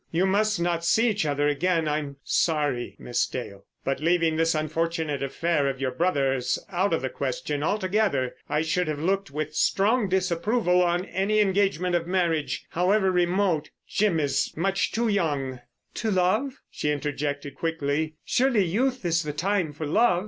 You must not see each other again. I'm very sorry, Miss Dale; but leaving this unfortunate affair of your brother's out of the question altogether, I should have looked with strong disapproval on any engagement of marriage, however remote. Jim is much too young——" "To love?" she interjected quickly. "Surely youth is the time for love!"